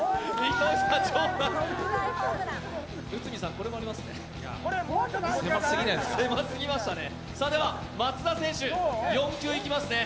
内海さん、これもありますね。